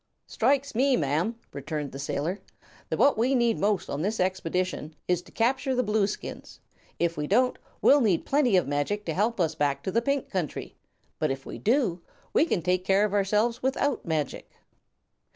"Strikes me, ma'am," returned the sailor, "that what we need most on this expedition is to capture the Blueskins. If we don't, we'll need plenty of magic to help us back to the Pink Country; but if we do, we can take care of ourselves without magic."